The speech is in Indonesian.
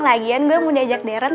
lagian gue mau diajak deret